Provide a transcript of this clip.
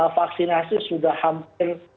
vaksinasi sudah hampir